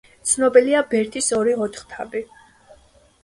ცნობილია ბერთის ორი ოთხთავი.